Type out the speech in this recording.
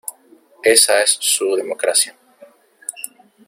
Esa es su democracia.